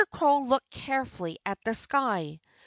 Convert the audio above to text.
Crow looked carefully at the sky.